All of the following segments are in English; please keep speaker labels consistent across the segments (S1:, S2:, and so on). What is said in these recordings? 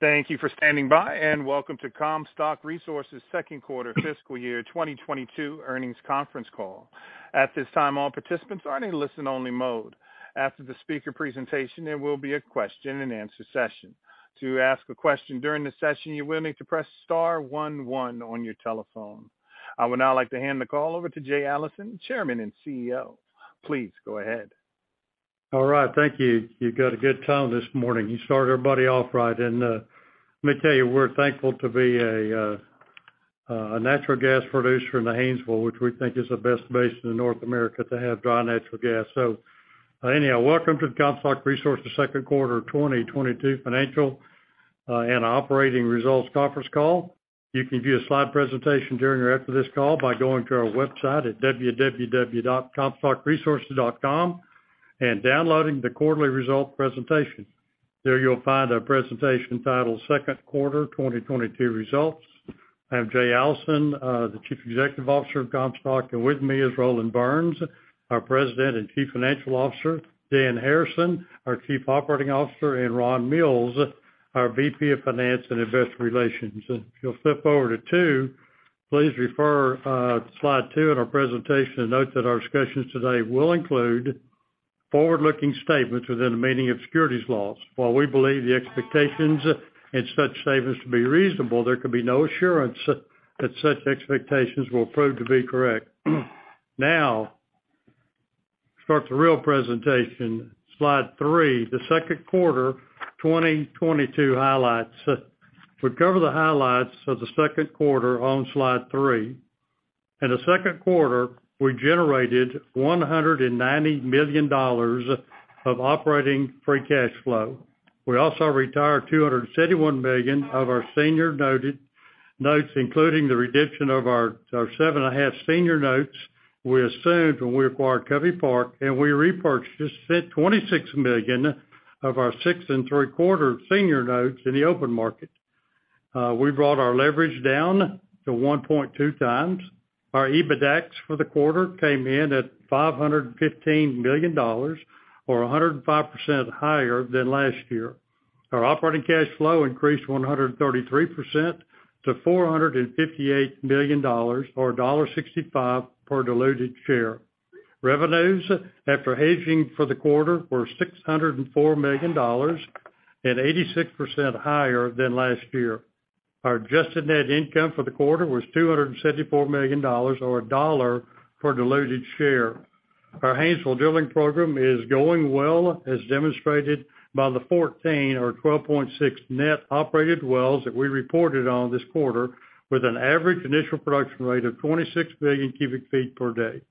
S1: Thank you for standing by, and welcome to Comstock Resources second quarter fiscal year 2022 earnings conference call. At this time, all participants are in a listen-only mode. After the speaker presentation, there will be a question and answer session. To ask a question during the session, you will need to press star one one on your telephone. I would now like to hand the call over to Jay Allison, Chairman and CEO. Please go ahead.
S2: All right, thank you. You got a good tone this morning. You start everybody off right. Let me tell you, we're thankful to be a natural gas producer in the Haynesville, which we think is the best basin in North America to have dry natural gas. Anyhow, welcome to the Comstock Resources second quarter 2022 financial and operating results conference call. You can view a slide presentation during or after this call by going to our website at www.comstockresources.com and downloading the quarterly results presentation. There you'll find a presentation titled Second Quarter 2022 Results. I'm Jay Allison, the Chief Executive Officer of Comstock, and with me is Roland Burns, our President and Chief Financial Officer, Dan Harrison, our Chief Operating Officer, and Ron Mills, our VP of Finance and Investor Relations. If you'll flip over to two, please refer to slide two in our presentation to note that our discussions today will include forward-looking statements within the meaning of securities laws. While we believe the expectations in such statements to be reasonable, there can be no assurance that such expectations will prove to be correct. Now starts the real presentation. Slide three, the second quarter 2022 highlights. We cover the highlights of the second quarter on slide three. In the second quarter, we generated $190 million of operating free cash flow. We also retired $271 million of our senior notes, including the redemption of our 7.5% senior notes we assumed when we acquired Covey Park, and we repurchased just $26 million of our 6.75% senior notes in the open market. We brought our leverage down to 1.2 times. Our EBITDAX for the quarter came in at $515 million or 105% higher than last year. Our operating cash flow increased 133% to $458 million or $0.65 per diluted share. Revenues after hedging for the quarter were $604 million and 86% higher than last year. Our adjusted net income for the quarter was $274 million or $1 per diluted share. Our Haynesville drilling program is going well, as demonstrated by the 14 or 12.6 net operated wells that we reported on this quarter, with an average initial production rate of 26 million cu ft per day.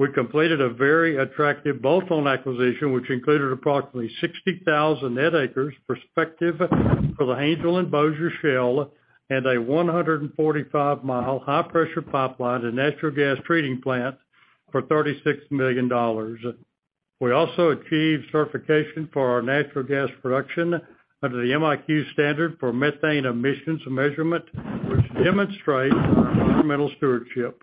S2: We completed a very attractive bolt-on acquisition, which included approximately 60,000 net acres prospective for the Haynesville and Bossier Shale and a 145-mile high pressure pipeline and natural gas treating plant for $36 million. We also achieved certification for our natural gas production under the MiQ standard for methane emissions measurement, which demonstrates our environmental stewardship.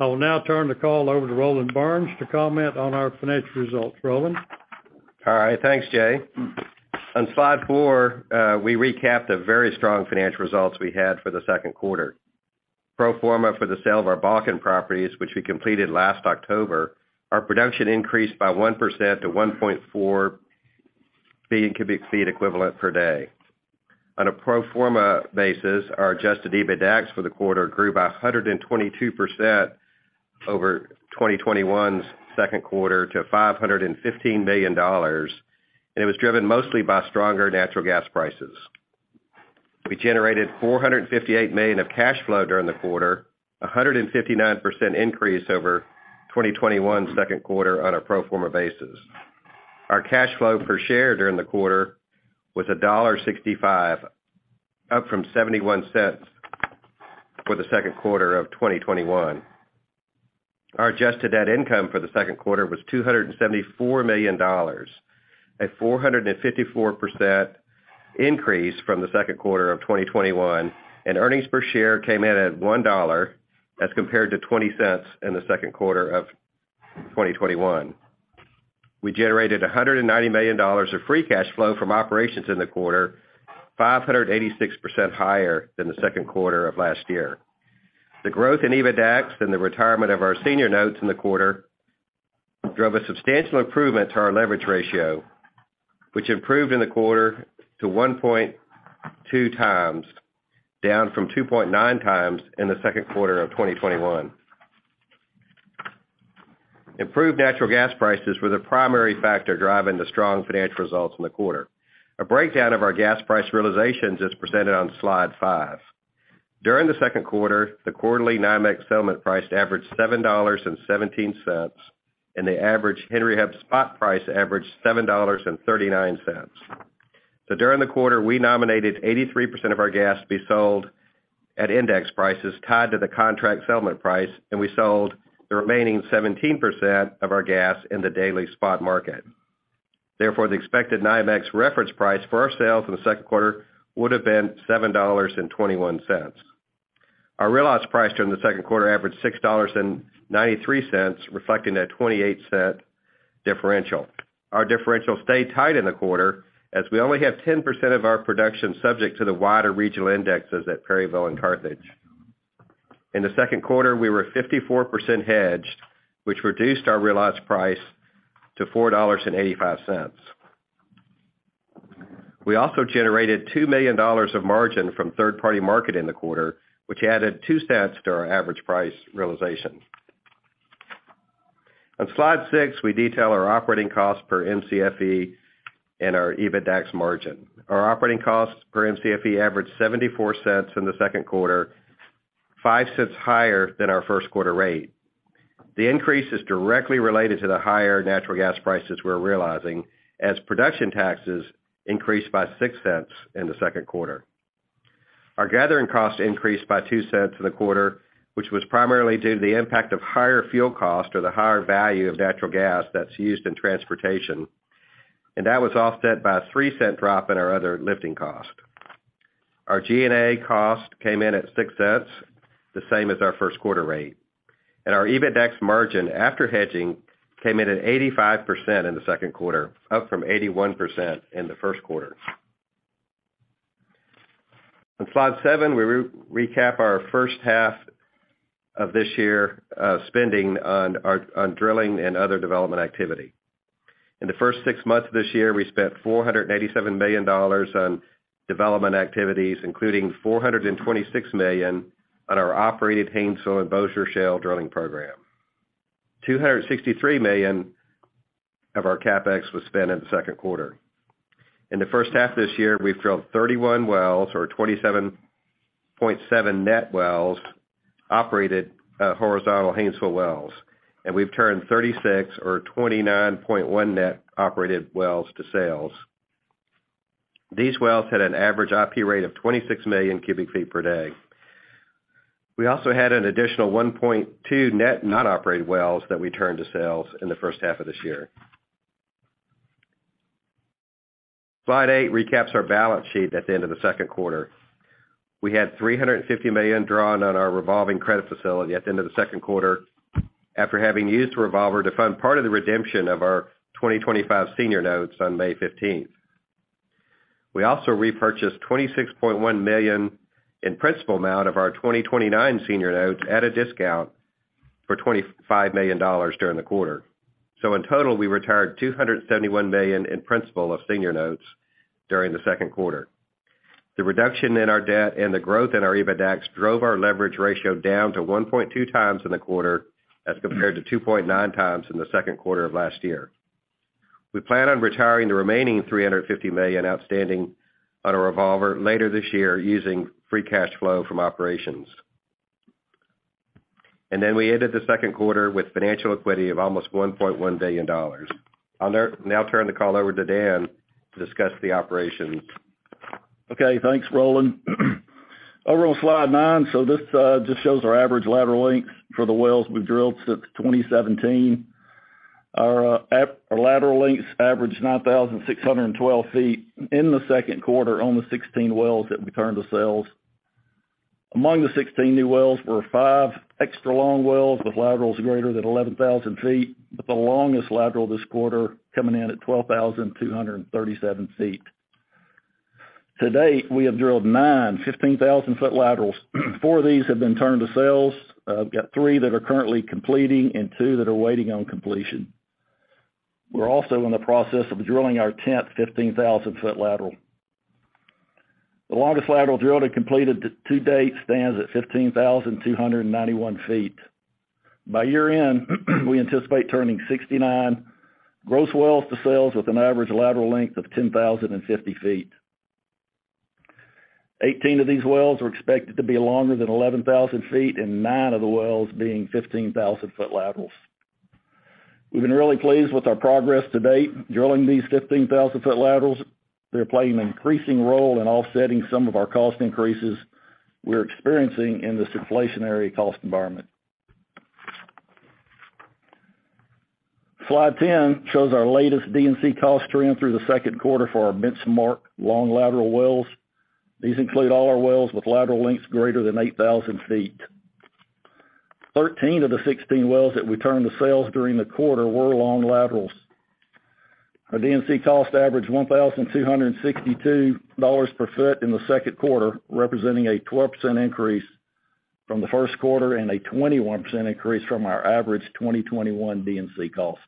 S2: I will now turn the call over to Roland Burns to comment on our financial results. Roland.
S3: All right, thanks, Jay. On slide four, we recap the very strong financial results we had for the second quarter. Pro forma for the sale of our Bakken properties, which we completed last October, our production increased by 1% to 1.4 billion cubic feet equivalent per day. On a pro forma basis, our adjusted EBITDAX for the quarter grew by 122% over 2021's second quarter to $515 million, and it was driven mostly by stronger natural gas prices. We generated $458 million of cash flow during the quarter, a 159% increase over 2021's second quarter on a pro forma basis. Our cash flow per share during the quarter was $1.65, up from $0.71 for the second quarter of 2021. Our adjusted net income for the second quarter was $274 million, a 454% increase from the second quarter of 2021, and earnings per share came in at $1, as compared to $0.20 in the second quarter of 2021. We generated $190 million of free cash flow from operations in the quarter, 586% higher than the second quarter of last year. The growth in EBITDAX and the retirement of our senior notes in the quarter drove a substantial improvement to our leverage ratio, which improved in the quarter to 1.2x, down from 2.9x in the second quarter of 2021. Improved natural gas prices were the primary factor driving the strong financial results in the quarter. A breakdown of our gas price realizations is presented on slide five. During the second quarter, the quarterly NYMEX settlement price averaged $7.17, and the average Henry Hub spot price averaged $7.39. During the quarter, we nominated 83% of our gas to be sold at index prices tied to the contract settlement price, and we sold the remaining 17% of our gas in the daily spot market. Therefore, the expected NYMEX reference price for our sales in the second quarter would have been $7.21. Our realized price during the second quarter averaged $6.93, reflecting that $0.28 Differential. Our differential stayed tight in the quarter, as we only have 10% of our production subject to the wider regional indexes at Perryville and Carthage. In the second quarter, we were 54% hedged, which reduced our realized price to $4.85. We also generated $2 million of margin from third-party marketing in the quarter, which added $0.02 to our average price realization. On slide six, we detail our operating costs per Mcfe and our EBITDAX margin. Our operating costs per Mcfe averaged $0.74 in the second quarter, $0.05 higher than our first quarter rate. The increase is directly related to the higher natural gas prices we're realizing, as production taxes increased by $0.06 in the second quarter. Our gathering costs increased by $0.02 in the quarter, which was primarily due to the impact of higher fuel costs or the higher value of natural gas that's used in transportation. That was offset by a $0.03 drop in our other lifting costs. Our G&A costs came in at $0.06, the same as our first quarter rate. Our EBITDAX margin after hedging came in at 85% in the second quarter, up from 81% in the first quarter. On slide seven, we recap our first half of this year, spending on drilling and other development activity. In the first six months of this year, we spent $487 million on development activities, including $426 million on our operated Haynesville and Bossier Shale drilling program. $263 million of our CapEx was spent in the second quarter. In the first half of this year, we've drilled 31 wells or 27.7 net wells, operated horizontal Haynesville wells, and we've turned 36 or 29.1 net operated wells to sales. These wells had an average IP rate of 26 million cu ft per day. We also had an additional 1.2 net non-operated wells that we turned to sales in the first half of this year. Slide eight recaps our balance sheet at the end of the second quarter. We had $350 million drawn on our revolving credit facility at the end of the second quarter, after having used the revolver to fund part of the redemption of our 2025 senior notes on May 15th. We also repurchased $26.1 million in principal amount of our 2029 senior notes at a discount for $25 million during the quarter. In total, we retired 271 million in principal of senior notes during the second quarter. The reduction in our debt and the growth in our EBITDAX drove our leverage ratio down to 1.2 times in the quarter as compared to 2.9 times in the second quarter of last year. We plan on retiring the remaining $350 million outstanding on a revolver later this year using free cash flow from operations. We ended the second quarter with financial equity of almost $1.1 billion. I'll now turn the call over to Dan to discuss the operations.
S4: Thanks, Roland. Over on slide nine, this just shows our average lateral length for the wells we've drilled since 2017. Our lateral lengths averaged 9,612 ft in the second quarter on the 16 wells that we turned to sales. Among the 16 new wells were five extra long wells with laterals greater than 11,000 ft, with the longest lateral this quarter coming in at 12,237 ft. To date, we have drilled nine 15,000-foot laterals. Four of these have been turned to sales. We've got three that are currently completing and two that are waiting on completion. We're also in the process of drilling our tenth 15,000-foot lateral. The longest lateral drilled and completed to date stands at 15,291 ft. By year-end, we anticipate turning 69 gross wells to sales with an average lateral length of 10,050 ft. Eighteen of these wells are expected to be longer than 11,000 ft and nine of the wells being 15,000-foot laterals. We've been really pleased with our progress to date, drilling these 15,000-foot laterals. They're playing an increasing role in offsetting some of our cost increases we're experiencing in this inflationary cost environment. Slide 10 shows our latest D&C cost trend through the second quarter for our benchmark long lateral wells. These include all our wells with lateral lengths greater than 8,000 ft. 13 of the 16 wells that we turned to sales during the quarter were long laterals. Our D&C cost averaged $1,262 per foot in the second quarter, representing a 12% increase from the first quarter and a 21% increase from our average 2021 D&C cost.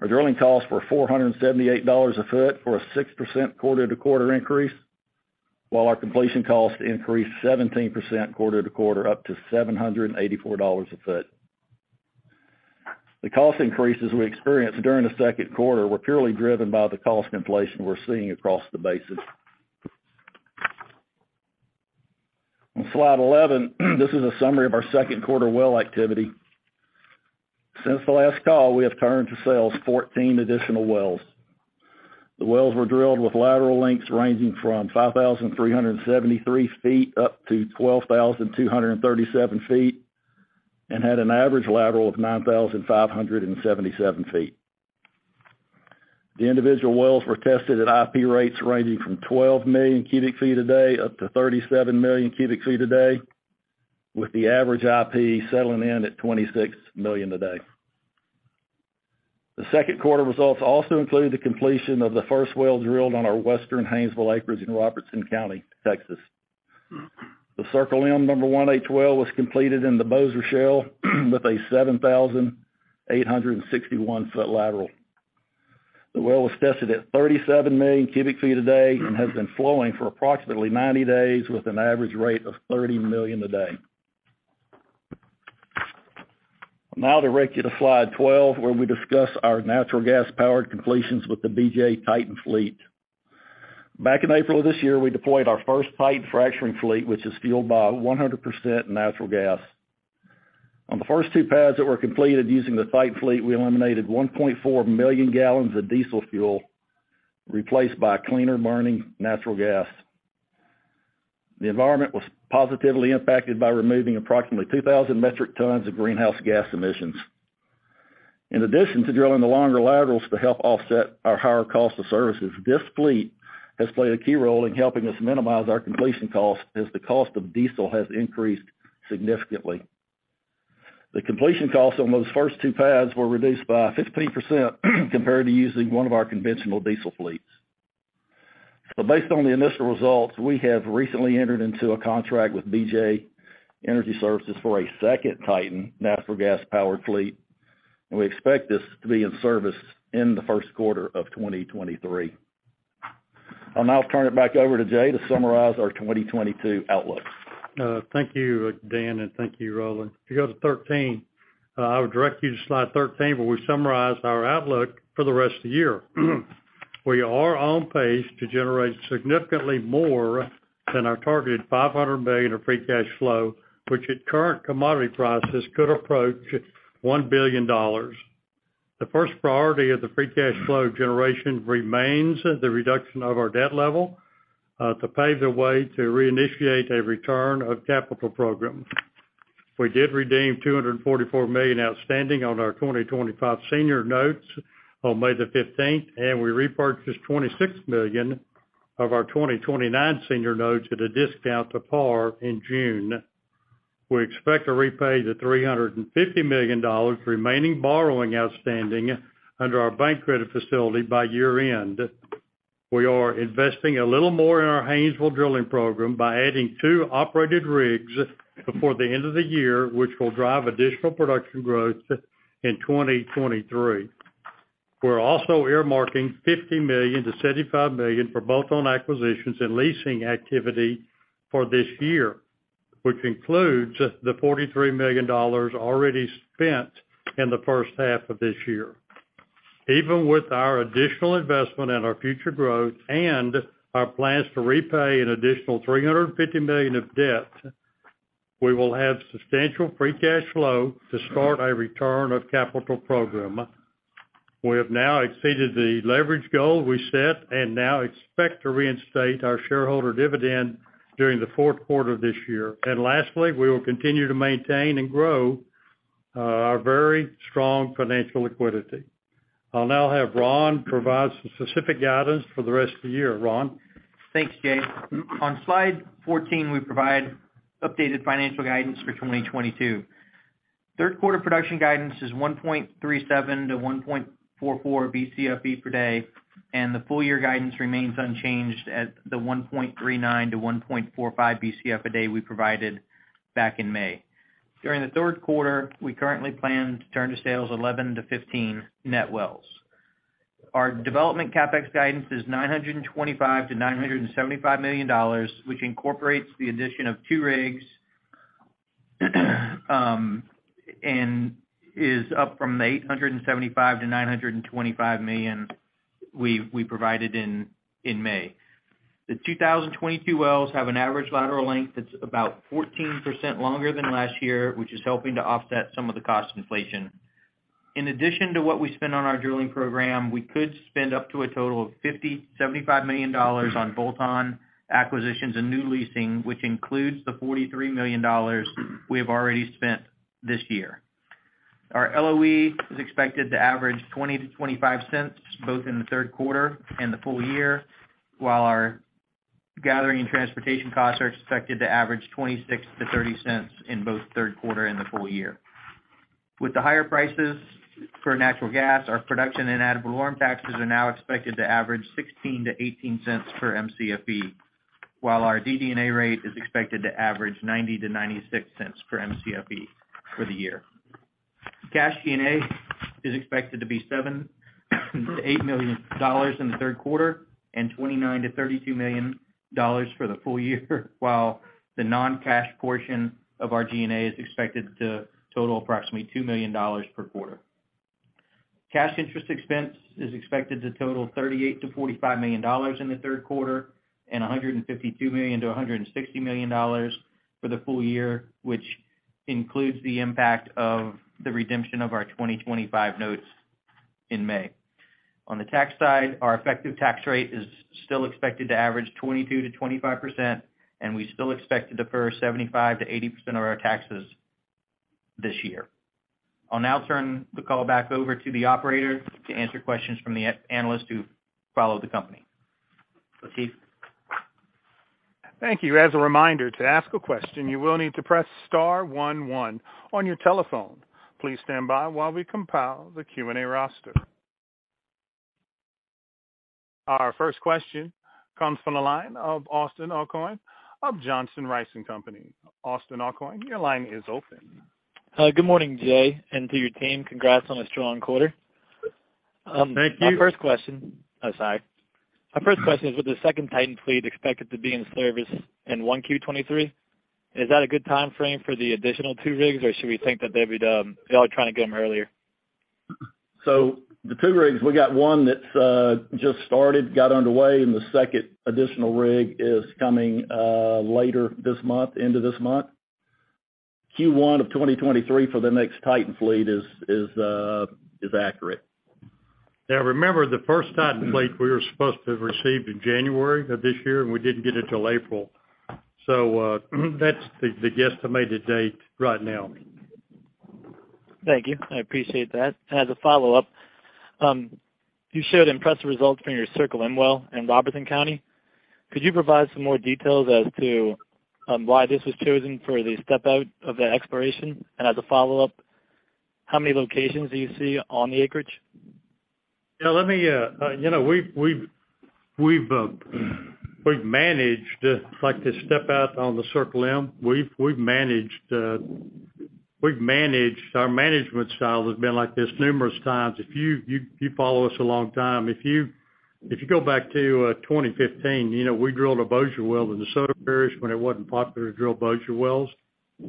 S4: Our drilling costs were $478 a foot, or a 6% quarter-to-quarter increase, while our completion costs increased 17% quarter to quarter up to $784 a foot. The cost increases we experienced during the second quarter were purely driven by the cost inflation we're seeing across the basin. On slide 11, this is a summary of our second quarter well activity. Since the last call, we have turned to sales 14 additional wells. The wells were drilled with lateral lengths ranging from 5,373-12,237 ft and had an average lateral of 9,577 ft. The individual wells were tested at IP rates ranging from 12-37 million cu ft a day, with the average IP settling in at 26 million a day. Second quarter results also include the completion of the first wells drilled on our western Haynesville acreage in Robertson County, Texas. The Circle M number 18 well was completed in the Bossier Shale with a 7,861-foot lateral. The well was tested at 37 million cu ft a day and has been flowing for approximately 90 days with an average rate of 30 million a day. Now to direct you to slide 12, where we discuss our natural gas powered completions with the BJ TITAN fleet. Back in April this year, we deployed our first TITAN fracturing fleet, which is fueled by 100% natural gas. On the first two pads that were completed using the TITAN fleet, we eliminated 1.4 million gallons of diesel fuel, replaced by cleaner burning natural gas. The environment was positively impacted by removing approximately 2,000 metric tons of greenhouse gas emissions. In addition to drilling the longer laterals to help offset our higher cost of services, this fleet has played a key role in helping us minimize our completion cost as the cost of diesel has increased significantly. The completion costs on those first two pads were reduced by 15% compared to using one of our conventional diesel fleets. Based on the initial results, we have recently entered into a contract with BJ Energy Solutions for a second Titan natural gas powered fleet, and we expect this to be in service in the first quarter of 2023. I'll now turn it back over to Jay to summarize our 2022 outlook.
S2: Thank you, Dan, and thank you, Roland. If you go to 13. I would direct you to slide 13, where we summarize our outlook for the rest of the year. We are on pace to generate significantly more than our targeted $500 million of free cash flow, which at current commodity prices could approach $1 billion. The first priority of the free cash flow generation remains the reduction of our debt level, to pave the way to reinitiate a return of capital program. We did redeem $244 million outstanding on our 2025 senior notes on May 15th, and we repurchased $26 million of our 2029 senior notes at a discount to par in June. We expect to repay the $350 million remaining borrowing outstanding under our bank credit facility by year-end. We are investing a little more in our Haynesville drilling program by adding two operated rigs before the end of the year, which will drive additional production growth in 2023. We're also earmarking $50 million-$75 million for bolt-on acquisitions and leasing activity for this year, which includes the $43 million already spent in the first half of this year. Even with our additional investment in our future growth and our plans to repay an additional $350 million of debt, we will have substantial free cash flow to start our return of capital program. We have now exceeded the leverage goal we set and now expect to reinstate our shareholder dividend during the fourth quarter of this year. Lastly, we will continue to maintain and grow our very strong financial liquidity. I'll now have Ron provide some specific guidance for the rest of the year. Ron?
S5: Thanks, Jay. On slide 14, we provide updated financial guidance for 2022. Third quarter production guidance is 1.37-1.44 Bcfe per day, and the full year guidance remains unchanged at the 1.39-1.45 Bcf a day we provided back in May. During the third quarter, we currently plan to turn to sales 11-15 net wells. Our development CapEx guidance is $925 million-$975 million, which incorporates the addition of two rigs, and is up from the $875 million-$925 million we provided in May. The 2022 wells have an average lateral length that's about 14% longer than last year, which is helping to offset some of the cost inflation. In addition to what we spend on our drilling program, we could spend up to a total of $50-$75 million on bolt-on acquisitions and new leasing, which includes the $43 million we have already spent this year. Our LOE is expected to average $0.20-$0.25 per Mcfe, both in the third quarter and the full year, while our gathering and transportation costs are expected to average $0.26-$0.30 per Mcfe in both third quarter and the full year. With the higher prices for natural gas, our production and ad valorem taxes are now expected to average $0.16-$0.18 per Mcfe, while our DD&A rate is expected to average $0.90-$0.96 per Mcfe for the year. Cash G&A is expected to be $7-$8 million in the third quarter and $29-$32 million for the full year, while the non-cash portion of our G&A is expected to total approximately $2 million per quarter. Cash interest expense is expected to total $38-$45 million in the third quarter and $152 million-$160 million for the full year, which includes the impact of the redemption of our 2025 notes in May. On the tax side, our effective tax rate is still expected to average 22%-25%, and we still expect to defer 75%-80% of our taxes. This year. I'll now turn the call back over to the operator to answer questions from the analysts who follow the company. Keith.
S1: Thank you. As a reminder, to ask a question, you will need to press star one one on your telephone. Please stand by while we compile the Q&A roster. Our first question comes from the line of Austin Aucoin of Johnson Rice & Company. Austin Aucoin, your line is open.
S6: Good morning, Jay, and to your team. Congrats on a strong quarter.
S2: Thank you.
S6: My first question is, with the second TITAN fleet expected to be in service in 1Q2023, is that a good timeframe for the additional two rigs, or should we think that they'd be, y'all are trying to get them earlier?
S4: The two rigs, we got one that's just started, got underway, and the second additional rig is coming later this month, into this month. Q1 of 2023 for the next Titan fleet is accurate. Now, remember, the first Titan fleet we were supposed to have received in January of this year, and we didn't get it till April. That's the guesstimated date right now.
S6: Thank you. I appreciate that. As a follow-up, you showed impressive results from your Circle M well in Robertson County. Could you provide some more details as to why this was chosen for the step-out of the exploration? And as a follow-up, how many locations do you see on the acreage?
S4: Yeah, let me, you know, we've managed like this step-out on the Circle M. We've managed our management style has been like this numerous times. If you follow us a long time, if you go back to 2015, you know, we drilled a Bossier well in the DeSoto Parish when it wasn't popular to drill Bossier wells,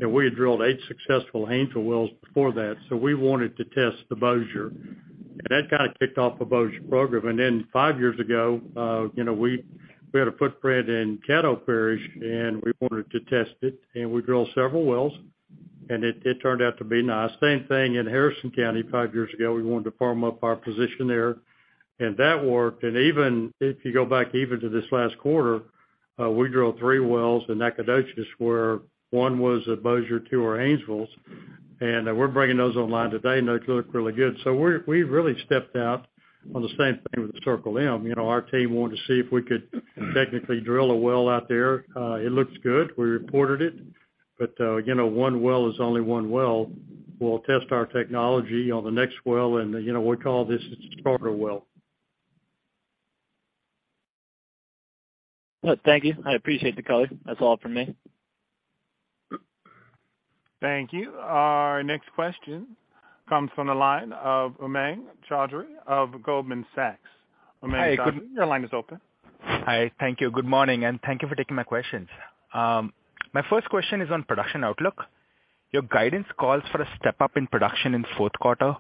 S4: and we had drilled eight successful Haynesville wells before that. We wanted to test the Bossier, and that kind of kicked off a Bossier program. Five years ago, you know, we had a footprint in Caddo Parish, and we wanted to test it, and we drilled several wells, and it turned out to be nice. Same thing in Harrison County five years ago. We wanted to firm up our position there, and that worked. Even if you go back even to this last quarter, we drilled three wells in Nacogdoches, where one was a Bossier, two were Haynesvilles, and we're bringing those online today, and those look really good. We've really stepped out on the same thing with the Circle M. You know, our team wanted to see if we could technically drill a well out there. It looks good. We reported it. You know, one well is only one well. We'll test our technology on the next well, and, you know, we call this a starter well.
S6: Thank you. I appreciate the color. That's all for me.
S1: Thank you. Our next question comes from the line of Umang Choudhary of Goldman Sachs. Umang Choudhary, your line is open.
S7: Hi. Thank you. Good morning, and thank you for taking my questions. My first question is on production outlook. Your guidance calls for a step-up in production in fourth quarter.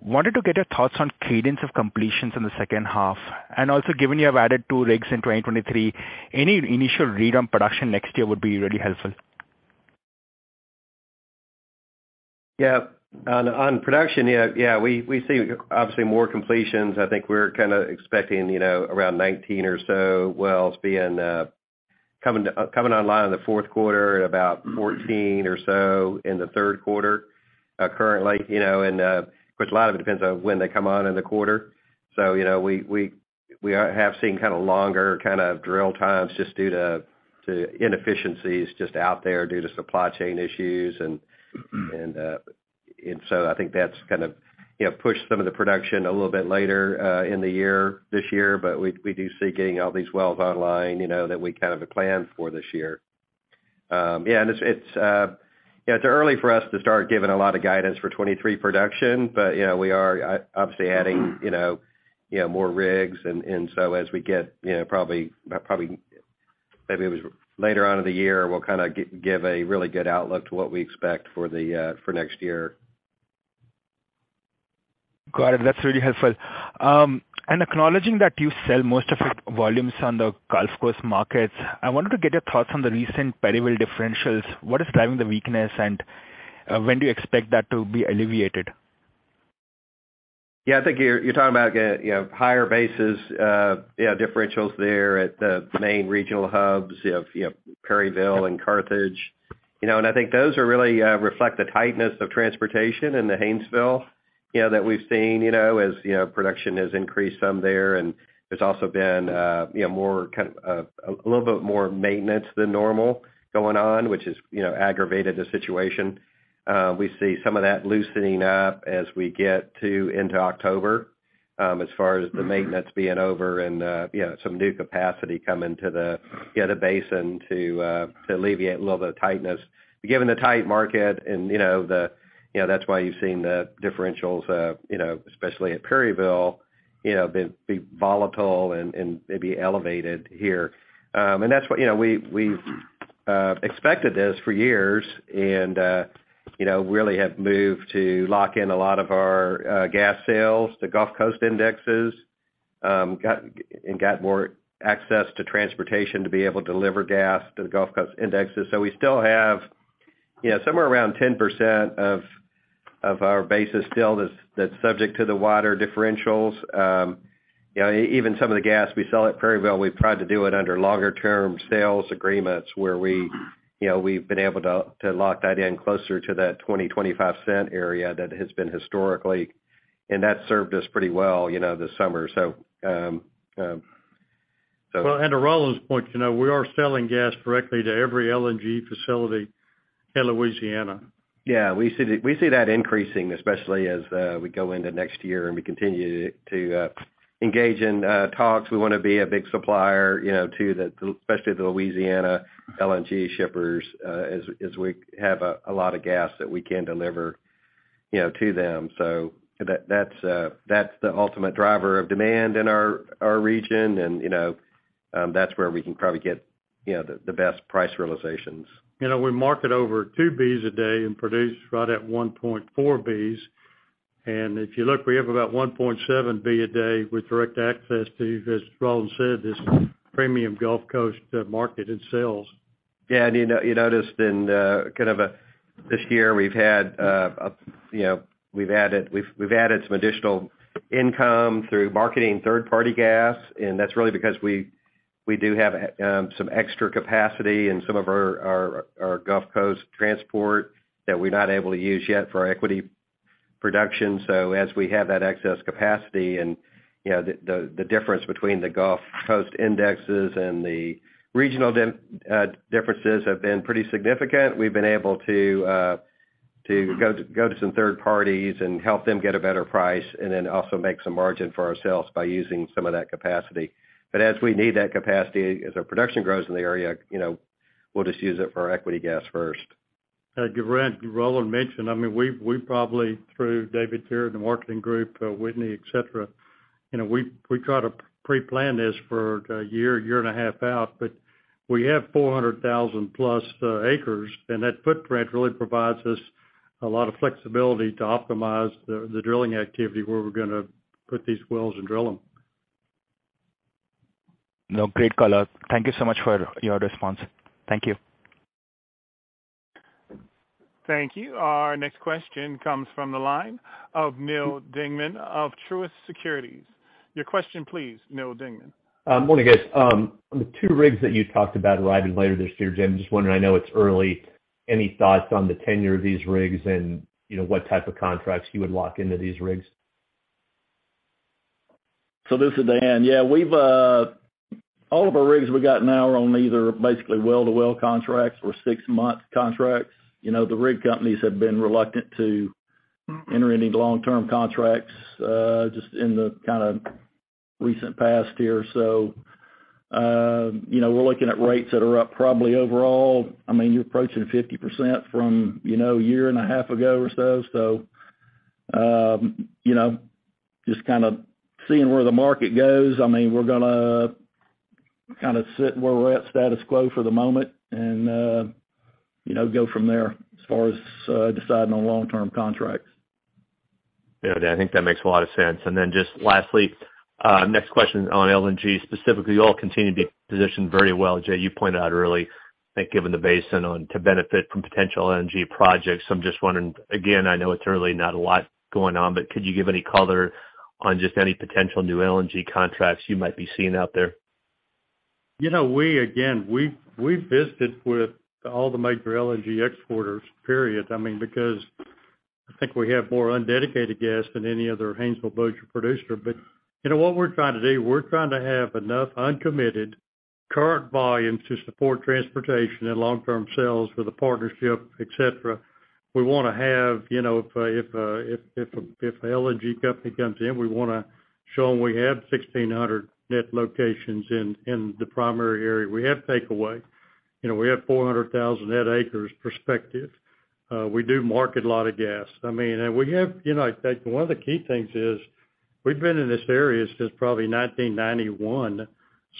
S7: Wanted to get your thoughts on cadence of completions in the second half. Also, given you have added two rigs in 2023, any initial read on production next year would be really helpful.
S3: Yeah. On production, we see obviously more completions. I think we're kinda expecting, you know, around 19 or so wells coming online in the fourth quarter and about 14 or so in the third quarter. Currently, you know, of course, a lot of it depends on when they come on in the quarter. You know, we have seen kinda longer drill times just due to inefficiencies just out there due to supply chain issues. I think that's kind of, you know, pushed some of the production a little bit later in the year this year, but we do see getting all these wells online, you know, that we kind of have planned for this year. It's early for us to start giving a lot of guidance for 2023 production, but, you know, we are obviously adding, you know, more rigs. As we get, you know, probably maybe it'll be later on in the year, we'll kinda give a really good outlook to what we expect for next year.
S2: Got it. That's really helpful. Acknowledging that you sell most of your volumes on the Gulf Coast markets, I wanted to get your thoughts on the recent Perryville differentials. What is driving the weakness, and, when do you expect that to be alleviated?
S3: Yeah, I think you're talking about, you know, higher bases, you know, differentials there at the main regional hubs, you know, Perryville and Carthage. You know, I think those are really reflect the tightness of transportation in the Haynesville, you know, that we've seen, you know, as you know, production has increased some there. There's also been, you know, more kind of a little bit more maintenance than normal going on, which has, you know, aggravated the situation. We see some of that loosening up as we get into October, as far as the maintenance being over and, you know, some new capacity coming to the, you know, the basin to alleviate a little of the tightness. Given the tight market and you know the you know that's why you've seen the differentials you know especially at Perryville you know be volatile and maybe elevated here. That's what you know we've expected this for years and you know really have moved to lock in a lot of our gas sales to Gulf Coast Indexes and got more access to transportation to be able to deliver gas to the Gulf Coast Indexes. We still have you know somewhere around 10% of our basis still that's subject to the wider differentials. You know, even some of the gas we sell at Perryville, we've tried to do it under longer term sales agreements where we, you know, we've been able to to lock that in closer to that $0.20-$0.25 area that it has been historically. That's served us pretty well, you know, this summer.
S2: Well, to Roland's point, you know, we are selling gas directly to every LNG facility in Louisiana.
S3: Yeah, we see that increasing, especially as we go into next year and we continue to engage in talks. We wanna be a big supplier, you know, to especially the Louisiana LNG shippers, as we have a lot of gas that we can deliver, you know, to them. That's the ultimate driver of demand in our region. You know, that's where we can probably get, you know, the best price realizations.
S2: You know, we market over 2 Bcf a day and produce right at 1.4 Bcf. If you look, we have about 1.7 Bcf a day with direct access to, as Roland said, this premium Gulf Coast market and sales.
S3: Yeah, you noticed in kind of this year, we've had you know we've added some additional income through marketing third-party gas. That's really because we do have some extra capacity in some of our Gulf Coast transport that we're not able to use yet for our equity production. As we have that excess capacity and you know the difference between the Gulf Coast indexes and the regional differences have been pretty significant. We've been able to go to some third parties and help them get a better price and then also make some margin for ourselves by using some of that capacity. As we need that capacity, as our production grows in the area, you know, we'll just use it for our equity gas first.
S2: Grant, Roland mentioned, I mean, we've probably through David Winsness and the marketing group, Whitney, et cetera, you know, we try to preplan this for a year and a half out. We have 400,000-plus acres, and that footprint really provides us a lot of flexibility to optimize the drilling activity where we're gonna put these wells and drill them. No, great color. Thank you so much for your response. Thank you.
S1: Thank you. Our next question comes from the line of Neal Dingmann of Truist Securities. Your question, please, Neal Dingmann.
S8: Morning, guys. The two rigs that you talked about arriving later this year, Jay, I'm just wondering, I know it's early, any thoughts on the tenure of these rigs and, you know, what type of contracts you would lock into these rigs?
S4: This is Dan. Yeah, we've all of our rigs we got now are on either basically well-to-well contracts or six-month contracts. You know, the rig companies have been reluctant to enter any long-term contracts, just in the kinda recent past here. You know, we're looking at rates that are up probably overall. I mean, you're approaching 50% from, you know, a year and a half ago or so. You know, just kinda seeing where the market goes. I mean, we're gonna kinda sit where we're at status quo for the moment and, you know, go from there as far as deciding on long-term contracts.
S8: Yeah, Dan, I think that makes a lot of sense. Just lastly, next question on LNG. Specifically, you all continue to be positioned very well. Jay, you pointed out early, I think, given the basin and to benefit from potential LNG projects. I'm just wondering, again, I know it's early, not a lot going on, but could you give any color on just any potential new LNG contracts you might be seeing out there?
S2: You know, we've visited with all the major LNG exporters. I mean, because I think we have more undedicated gas than any other Haynesville producer. You know, what we're trying to do, we're trying to have enough uncommitted current volume to support transportation and long-term sales with a partnership, et cetera. We wanna have, you know, if a LNG company comes in, we wanna show them we have 1,600 net locations in the primary area. We have takeaway. You know, we have 400,000 net acres prospective. We do market a lot of gas. I mean, we have, you know, I think one of the key things is we've been in this area since probably 1991,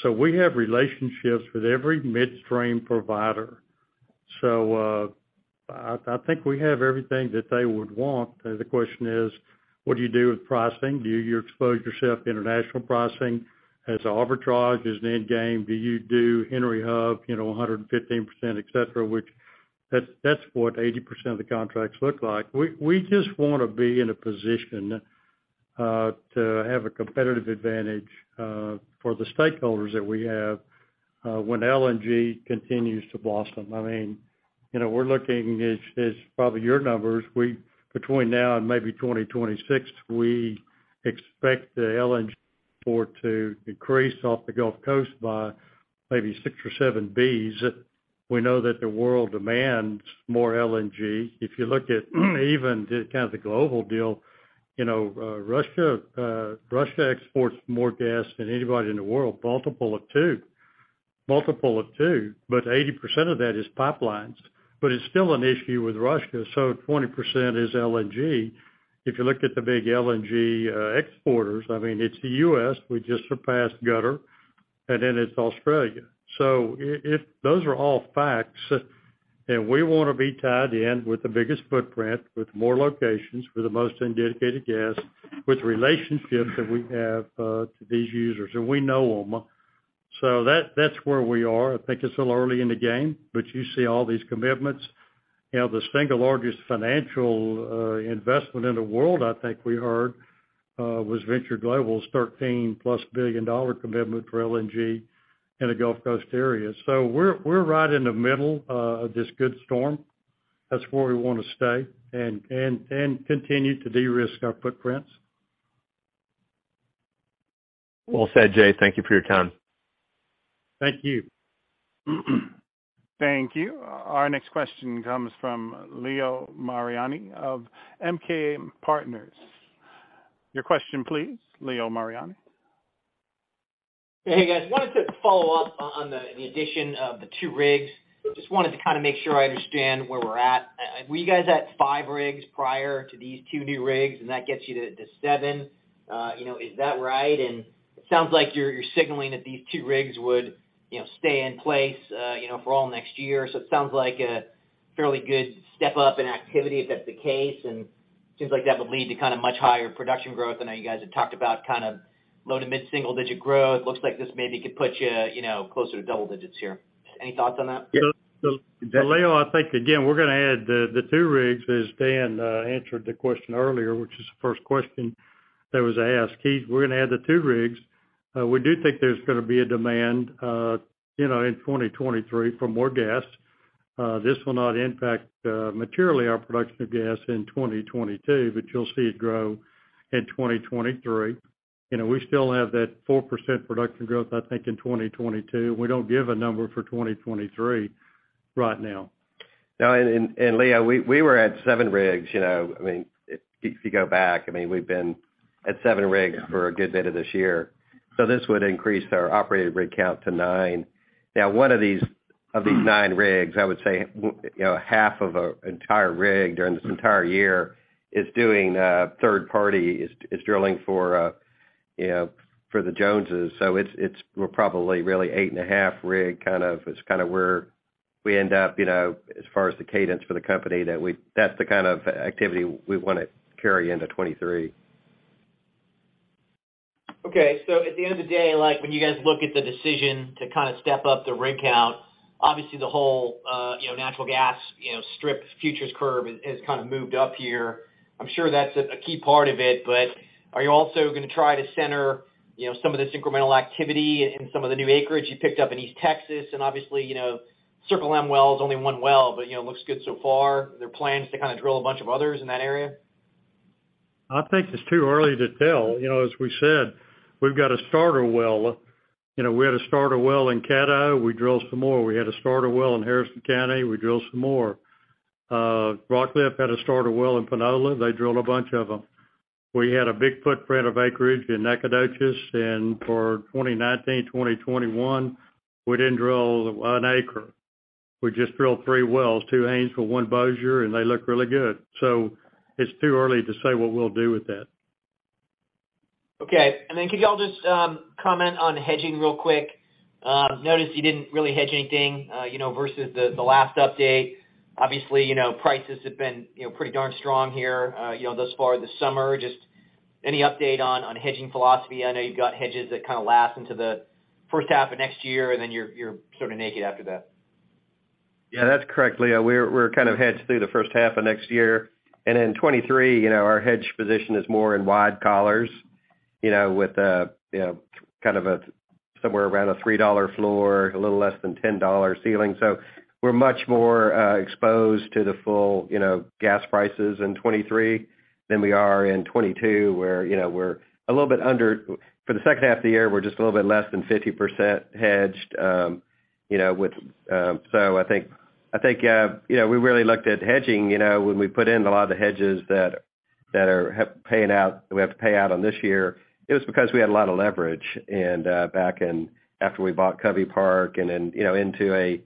S2: so we have relationships with every midstream provider. I think we have everything that they would want. The question is, what do you do with pricing? Do you expose yourself to international pricing? As arbitrage, as an endgame, do you do Henry Hub, you know, 115%, et cetera, which that's what 80% of the contracts look like. We just wanna be in a position to have a competitive advantage for the stakeholders that we have when LNG continues to blossom. I mean, you know, we're looking as probably your numbers, we between now and maybe 2026, we expect the LNG port to increase off the Gulf Coast by maybe 6 or 7 Bcf. We know that the world demands more LNG. If you look at even the kind of the global deal, you know, Russia exports more gas than anybody in the world, multiple of two. 80% of that is pipelines. It's still an issue with Russia, 20% is LNG. If you look at the big LNG exporters, I mean, it's the U.S., we just surpassed Qatar, and then it's Australia. Those are all facts, and we wanna be tied in with the biggest footprint, with more locations, with the most uncommitted gas, with relationships that we have to these users, and we know them. That, that's where we are. I think it's a little early in the game, but you see all these commitments. You know, the single largest financial investment in the world, I think we heard, was Venture Global LNG's $13+ billion commitment for LNG in the Gulf Coast area. We're right in the middle of this good storm. That's where we wanna stay and continue to de-risk our footprints.
S8: Well said, Jay. Thank you for your time.
S2: Thank you.
S1: Thank you. Our next question comes from Leo Mariani of MKM Partners. Your question, please, Leo Mariani.
S2: Hey, guys. Wanted to follow up on the addition of the two rigs. Just wanted to kind of make sure I understand where we're at. Were you guys at five rigs prior to these two new rigs, and that gets you to seven? You know, is that right? It sounds like you're signaling that these two rigs would stay in place for all next year. So it sounds like a fairly good step up in activity if that's the case, and seems like that would lead to kind of much higher production growth. I know you guys had talked about kind of low- to mid-single-digit growth. Looks like this maybe could put you closer to double digits here. Any thoughts on that? Leo, I think again, we're gonna add the two rigs as Dan answered the question earlier, which is the first question that was asked. We're gonna add the two rigs. We do think there's gonna be a demand, you know, in 2023 for more gas. This will not impact materially our production of gas in 2022, but you'll see it grow in 2023. You know, we still have that 4% production growth, I think, in 2022. We don't give a number for 2023 right now.
S4: No, Leo, we were at seven rigs, you know. I mean, if you go back, I mean, we've been at seven rigs for a good bit of this year. This would increase our operated rig count to nine. Now, one of these nine rigs, I would say, you know, half of an entire rig during this entire year is doing third party drilling for, you know, for the Joneses. It's. We're probably really eight and a half rigs, kind of, is kind of where we end up, you know, as far as the cadence for the company. That's the kind of activity we wanna carry into 2023. Okay. At the end of the day, like, when you guys look at the decision to kind of step up the rig count, obviously the whole, you know, natural gas, you know, strip futures curve has kind of moved up here. I'm sure that's a key part of it. But are you also gonna try to center, you know, some of this incremental activity in some of the new acreage you picked up in East Texas? And obviously, you know, Circle M Well is only one well, but, you know, looks good so far. Are there plans to kind of drill a bunch of others in that area?
S2: I think it's too early to tell. You know, as we said, we've got a starter well. You know, we had a starter well in Caddo. We drilled some more. We had a starter well in Harrison County. We drilled some more. Rockcliff had a starter well in Panola. They drilled a bunch of them. We had a big footprint of acreage in Nacogdoches, and for 2019, 2021, we didn't drill one acre. We just drilled three wells, two Haynesville, one Bossier, and they look really good. It's too early to say what we'll do with that.
S3: Okay. Could y'all just comment on hedging real quick? Noticed you didn't really hedge anything, you know, versus the last update. Obviously, you know, prices have been, you know, pretty darn strong here, you know, thus far this summer. Just any update on hedging philosophy? I know you've got hedges that kind of last into the first half of next year, and then you're sort of naked after that. Yeah, that's correct, Leo. We're kind of hedged through the first half of next year. In 2023, you know, our hedge position is more in wide collars, you know, with, you know, kind of a, somewhere around a $3 floor, a little less than $10 ceiling. We're much more exposed to the full, you know, gas prices in 2023 than we are in 2022, where, you know, we're a little bit under. For the second half of the year, we're just a little bit less than 50% hedged, you know, with. I think, you know, we really looked at hedging, you know, when we put in a lot of the hedges that are paying out, we have to pay out on this year. It was because we had a lot of leverage, and back in, after we bought Covey Park and then, you know, into a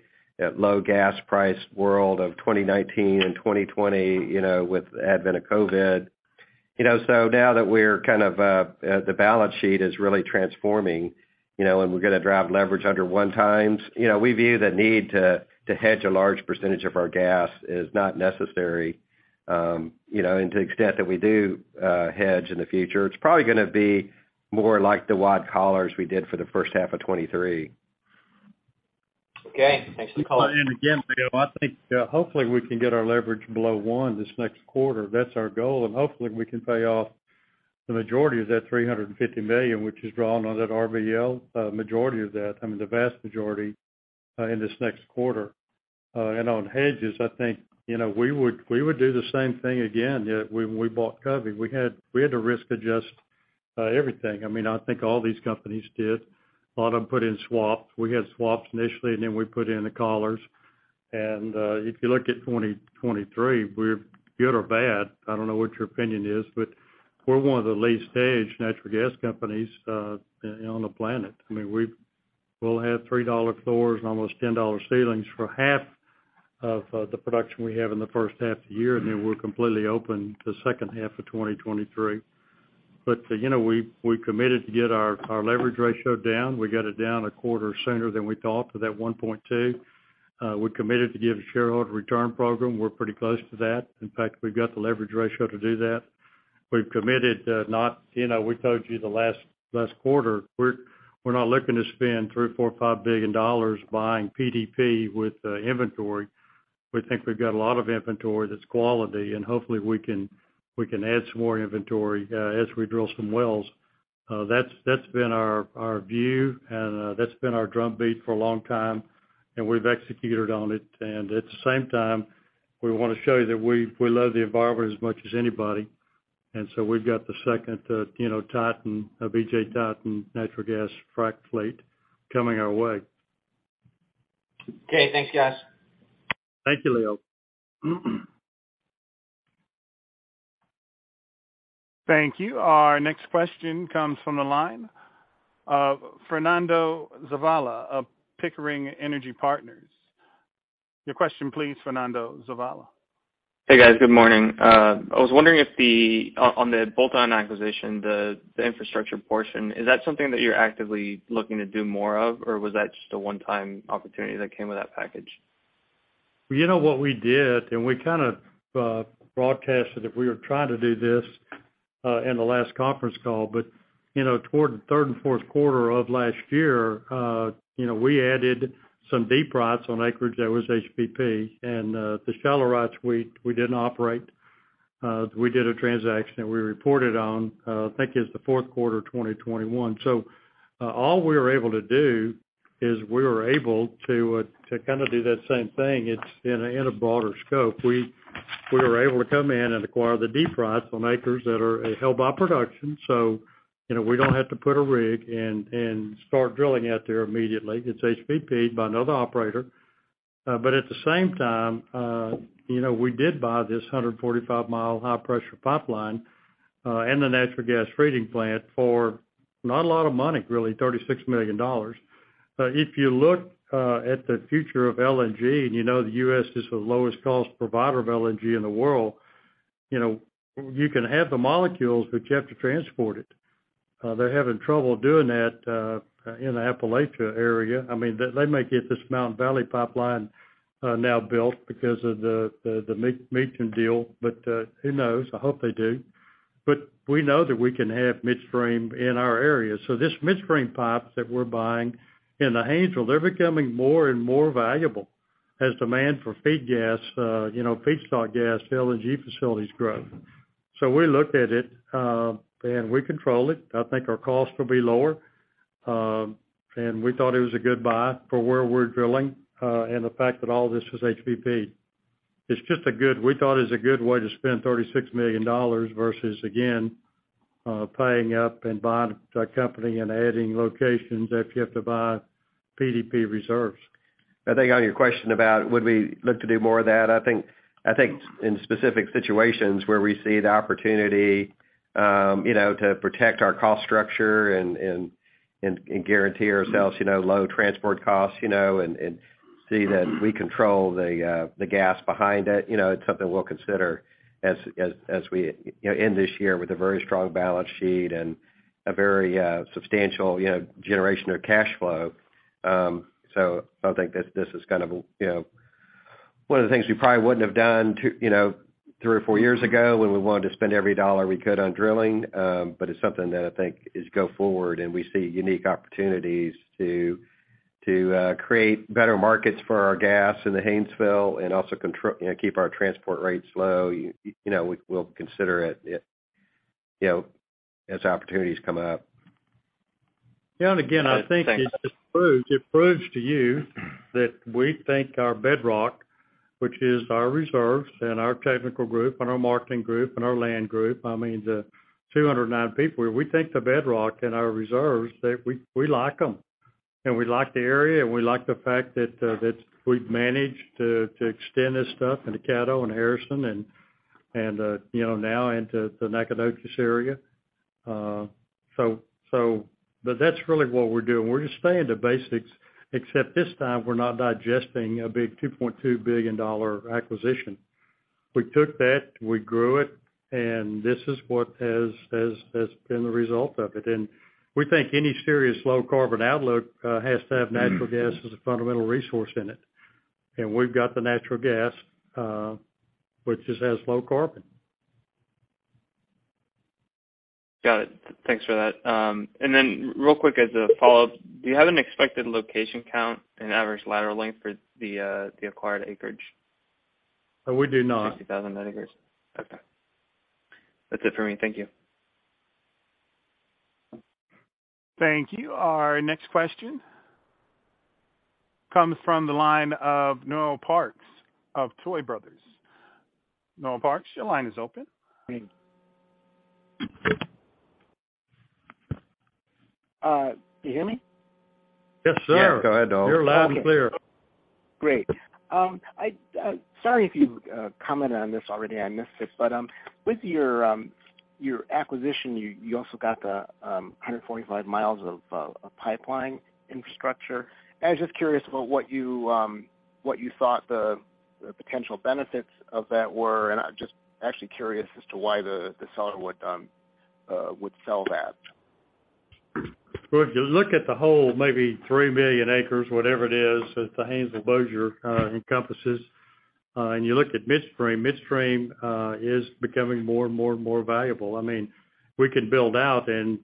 S3: low gas price world of 2019 and 2020, you know, with the advent of COVID. You know, now that we're kind of the balance sheet is really transforming, you know, and we're gonna drive leverage under 1x, you know, we view the need to hedge a large percentage of our gas as not necessary. You know, to the extent that we do hedge in the future, it's probably gonna be more like the wide collars we did for the first half of 2023.
S2: Okay. Thanks for the color. Again, Leo, I think hopefully, we can get our leverage below one this next quarter. That's our goal, and hopefully, we can pay off the majority of that $350 million, which is drawn on that RBL, majority of that, I mean, the vast majority, in this next quarter. On hedges, I think, you know, we would do the same thing again. You know, when we bought Covey, we had to risk adjust everything. I mean, I think all these companies did. A lot of them put in swaps. We had swaps initially, and then we put in the collars. If you look at 2023, we're good or bad. I don't know what your opinion is, but we're one of the least hedged natural gas companies on the planet. I mean, we'll have $3 floors and almost $10 ceilings for half of the production we have in the first half of the year, and then we're completely open to second half of 2023. You know, we committed to get our leverage ratio down. We got it down a quarter sooner than we thought to that 1.2. We committed to give shareholder return program. We're pretty close to that. In fact, we've got the leverage ratio to do that. We've committed to not, you know, we told you the last quarter, we're not looking to spend $3-$5 billion buying PDP with inventory. We think we've got a lot of inventory that's quality, and hopefully we can add some more inventory as we drill some wells. That's been our view, and that's been our drum beat for a long time, and we've executed on it. At the same time, we wanna show you that we love the environment as much as anybody, so we've got the second TITAN, BJ TITAN natural gas frac fleet coming our way.
S9: Okay, thanks guys.
S2: Thank you, Leo.
S1: Thank you. Our next question comes from the line of Fernando Zavala of Pickering Energy Partners. Your question please, Fernando Zavala.
S3: Hey, guys. Good morning. I was wondering on the bolt-on acquisition, the infrastructure portion, is that something that you're actively looking to do more of, or was that just a one-time opportunity that came with that package?
S2: You know what we did, and we kinda broadcasted that we were trying to do this in the last conference call. You know, toward the third and fourth quarter of last year, you know, we added some deep rights on acreage that was HBP. The shallow rights, we didn't operate. We did a transaction that we reported on, I think it was the fourth quarter 2021. All we were able to do is we were able to kinda do that same thing. It's in a broader scope. We were able to come in and acquire the deep rights on acres that are held by production. You know, we don't have to put a rig and start drilling out there immediately. It's HBP by another operator. At the same time, you know, we did buy this 145-mile high-pressure pipeline and the natural gas treating plant for not a lot of money, really, $36 million. If you look at the future of LNG and you know the U.S. is the lowest cost provider of LNG in the world, you know, you can have the molecules, but you have to transport it. They're having trouble doing that in the Appalachia area. I mean, they may get this Mountain Valley Pipeline now built because of the Manchin deal, but who knows? I hope they do. We know that we can have midstream in our area. This midstream pipe that we're buying in the Haynesville, they're becoming more and more valuable as demand for feed gas, you know, feedstock gas, LNG facilities grow. We looked at it, and we control it. I think our cost will be lower. We thought it was a good buy for where we're drilling, and the fact that all this is HBP. It's just a good way to spend $36 million versus, again, paying up and buying a company and adding locations if you have to buy PDP reserves.
S3: I think on your question about would we look to do more of that, I think in specific situations where we see the opportunity, you know, to protect our cost structure and guarantee ourselves, you know, low transport costs, you know, and see that we control the gas behind it. You know, it's something we'll consider as we, you know, end this year with a very strong balance sheet and a very substantial, you know, generation of cash flow. I think this is kind of, you know, one of the things we probably wouldn't have done two, you know, three or four years ago when we wanted to spend every dollar we could on drilling. It's something that I think is going forward and we see unique opportunities to create better markets for our gas in the Haynesville and also control, you know, keep our transport rates low. You know, we'll consider it, you know, as opportunities come up.
S2: Yeah, again, I think it just proves to you that we think our bedrock, which is our reserves and our technical group and our marketing group and our land group, I mean, the 209 people. We think the bedrock and our reserves, that we like them. We like the area, and we like the fact that we've managed to extend this stuff into Caddo and Harrison and, you know, now into the Nacogdoches area. But that's really what we're doing. We're just sticking to basics, except this time we're not digesting a big $2.2 billion acquisition. We took that, we grew it, and this is what has been the result of it. We think any serious low carbon outlook has to have natural gas as a fundamental resource in it. We've got the natural gas, which just has low carbon.
S10: Got it. Thanks for that. Real quick as a follow-up, do you have an expected location count and average lateral length for the acquired acreage?
S2: We do not.
S10: 50,000 net acres. Okay. That's it for me. Thank you.
S1: Thank you. Our next question comes from the line of Noel Parks of Tuohy Brothers. Noel Parks, your line is open.
S11: Can you hear me?
S2: Yes, sir.
S3: Yes, go ahead, Noel.
S2: You're loud and clear.
S11: Great. I'm sorry if you commented on this already and I missed it. With your acquisition, you also got the 145 miles of pipeline infrastructure. I was just curious about what you thought the potential benefits of that were. I'm just actually curious as to why the seller would sell that.
S2: Well, if you look at the whole maybe 3 million acres, whatever it is, that the Haynesville Bossier encompasses, and you look at midstream is becoming more and more valuable. I mean, we could build out and,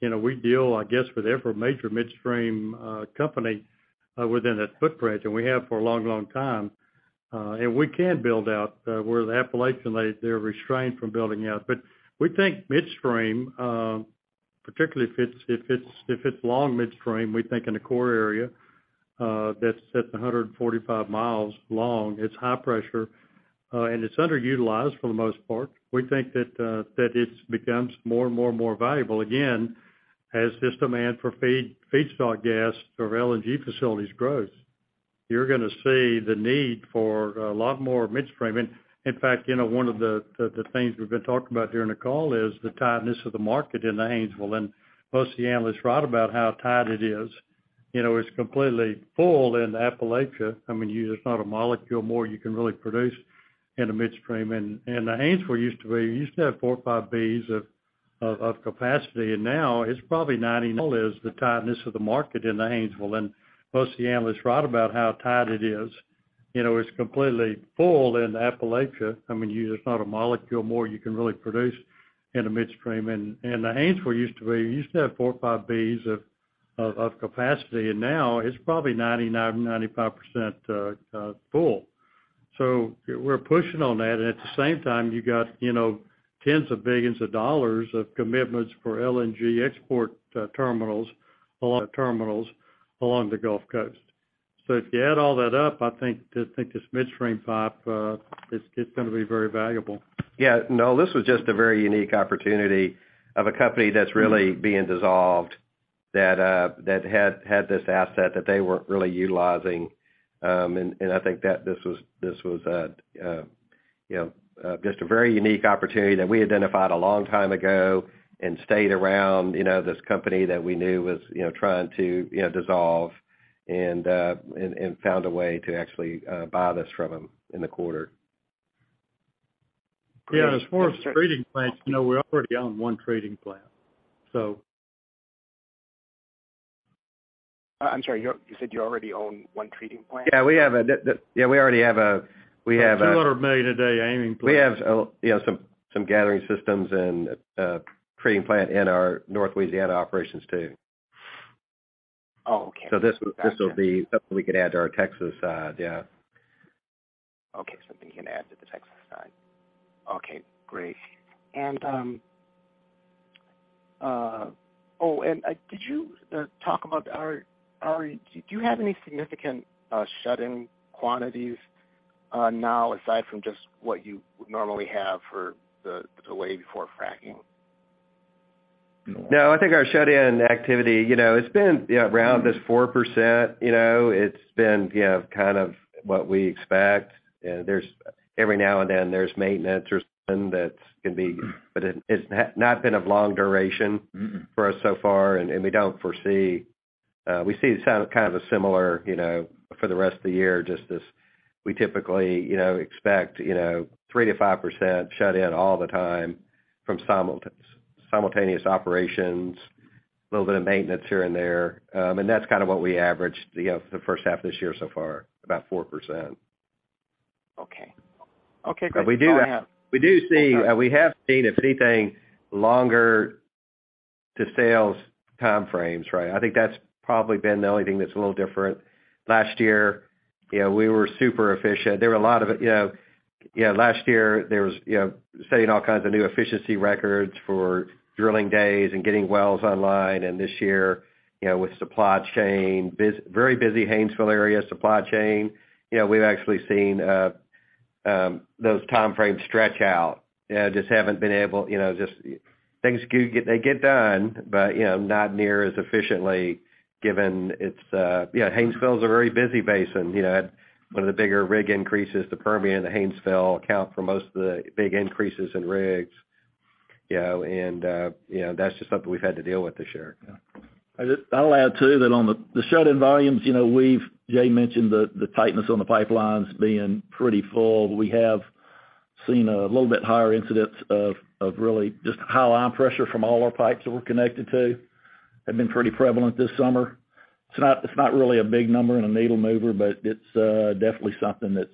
S2: you know, we deal, I guess, with every major midstream company within that footprint, and we have for a long, long time. We can build out where the Appalachian, they're restrained from building out. We think midstream, particularly if it's long midstream, we think in a core area that's 145 miles long, it's high pressure, and it's underutilized for the most part. We think that it becomes more and more valuable. Again, as this demand for feedstock gas for LNG facilities grows, you're gonna see the need for a lot more midstream. In fact, you know, one of the things we've been talking about during the call is the tightness of the market in the Haynesville. Most of the analysts write about how tight it is. You know, it's completely full in Appalachia. I mean, you just can't a molecule more you can really produce in a midstream. The Haynesville used to have four or five Bcf of capacity, and now it's probably 90 Bcf. The Haynesville used to have 4 or 5 Bcf of capacity, and now it's probably 95%-99% full. We're pushing on that. At the same time, you got, you know, tens of billions of dollars of commitments for LNG export terminals along the Gulf Coast. If you add all that up, I think this midstream pipe, it's gonna be very valuable.
S3: Yeah. No, this was just a very unique opportunity of a company that's really being dissolved, that had this asset that they weren't really utilizing. I think that this was a, you know, just a very unique opportunity that we identified a long time ago and stayed around, you know, this company that we knew was, you know, trying to, you know, dissolve and found a way to actually buy this from them in the quarter.
S2: Yeah. As far as treating plants, you know, we already own one treating plant. I'm sorry, you said you already own one treating plant?
S3: Yeah, we already have a.
S2: 200 million a day amine plant.
S3: We have, you know, some gathering systems and treating plant in our North Louisiana operations too.
S2: Oh, okay.
S3: This will be something we could add to our Texas, yeah.
S11: Okay. Something you can add to the Texas side. Okay, great. Did you have any significant shut-in quantities now aside from just what you would normally have for the way before fracking?
S3: No, I think our shut-in activity, you know, it's been, you know, around this 4%, you know? It's been, you know, kind of what we expect. You know, every now and then there's maintenance or something that can be, but it's not been of long duration.
S2: Mm-hmm.
S3: for us so far, and we don't foresee. We see it sounding kind of similar, you know, for the rest of the year, just as we typically, you know, expect, you know, 3%-5% shut in all the time from simultaneous operations, a little bit of maintenance here and there. That's kind of what we averaged, you know, the first half of this year so far, about 4%.
S11: Okay. Okay, great.
S3: We do see we have seen if anything, longer to sales time frames, right? I think that's probably been the only thing that's a little different. Last year, you know, we were super efficient. You know, yeah, last year there was, you know, setting all kinds of new efficiency records for drilling days and getting wells online. This year, you know, with very busy Haynesville area supply chain, you know, we've actually seen those time frames stretch out. You know, they get done, but, you know, not near as efficiently given it's. You know, Haynesville is a very busy basin. You know, one of the bigger rig increases, the Permian and the Haynesville account for most of the big increases in rigs. You know, that's just something we've had to deal with this year.
S4: I'll add too that on the shut-in volumes, you know, we've Jay mentioned the tightness on the pipelines being pretty full. We have seen a little bit higher incidents of really just high line pressure from all our pipes that we're connected to have been pretty prevalent this summer. It's not really a big number and a needle mover, but it's definitely something that's